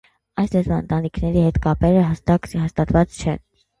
Այլ լեզվաընտանիքների հետ կապերը հստակ հաստատված չեն։